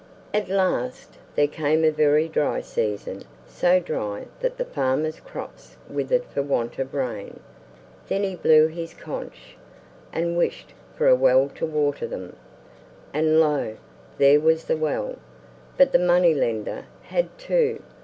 At last, there came a very dry season—so dry that the farmer's crops withered for want of rain. Then he blew his conch, and wished for a well to water them, and lo! there was the well, but the money lender had two!